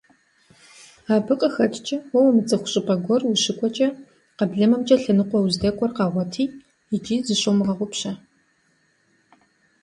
Абы къыхэкӀкӀэ уэ умыцӀыху щӀыпӀэ гуэр ущыкӀуэкӀэ къэблэмэмкӀэ лъэныкъуэ уздэкӀуэр къэгъуэт икӀи зыщумыгъэгъупщэ.